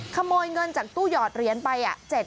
ขโมยเงินจากตู้หยอดเหรียญไป